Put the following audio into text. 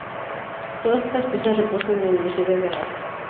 Todos estas piezas reposan en la Universidad de Alaska.